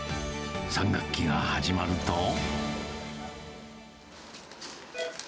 ３学期が始まると。